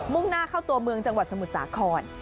่งหน้าเข้าตัวเมืองจังหวัดสมุทรสาคร